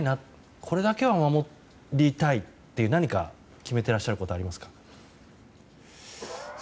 これだけは守りたいって何か決めてらっしゃることはありますか？